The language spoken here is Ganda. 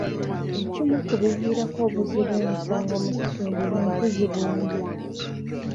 Ekimu ku biviirako obuzzi bw'emisango mu kitundu y'enkuzibwa embi.